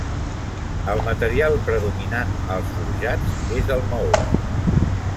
El material predominant als forjats és el maó.